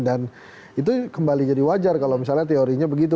dan itu kembali jadi wajar kalau misalnya teorinya begitu